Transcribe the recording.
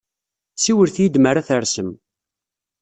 Siwlet-iyi-d mi ara tersem.